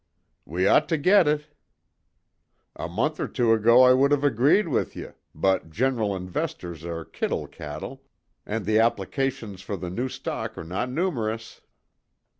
"We ought to get it." "A month or two ago I would have agreed with ye, but general investors are kittle cattle, and the applications for the new stock are no numerous."